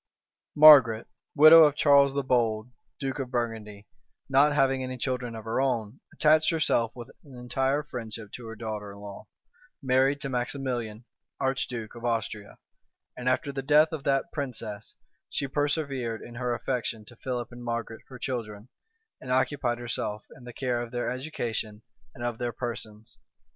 Margaret, widow of Charles the Bold, duke of Burgundy, not having any children of her own, attached herself with an entire friendship to her daughter in law, married to Maximilian, archduke of Austria; and after the death of that princess, she persevered in her affection to Philip and Margaret, her children, and occupied herself in the care of their education and of their persons.